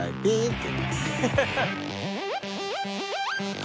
って。